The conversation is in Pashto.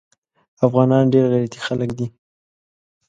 افغانان ډیر غیرتي خلک دي